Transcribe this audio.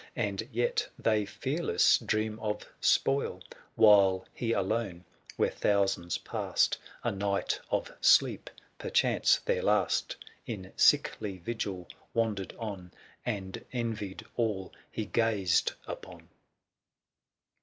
And yet they fearless dream of spoil ; While he alone, where thousands passed A night of sleep, perchance their last, 310 In sickly vigil wandered on. And envied all he gazed upon.